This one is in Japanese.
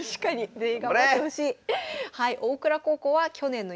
全員頑張ってほしい。